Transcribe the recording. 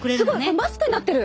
これマスクになってる！